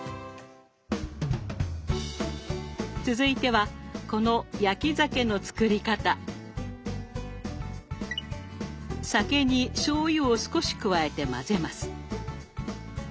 続いてはこの酒にしょうゆを少し加えて混ぜます。